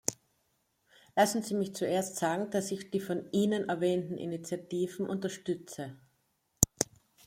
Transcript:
Lassen Sie mich zuerst sagen, dass ich die von Ihnen erwähnten Initiativen unterstütze.